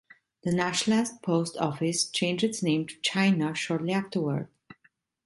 The Nashland post office changed its name to China shortly afterward.